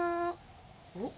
おっ？